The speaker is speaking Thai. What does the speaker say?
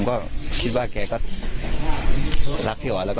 เพลงที่สุดท้ายเสียเต้ยมาเสียชีวิตค่ะ